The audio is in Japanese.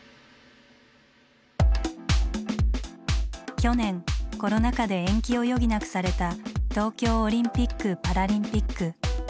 去年コロナ禍で延期を余儀なくされた東京オリンピック・パラリンピック。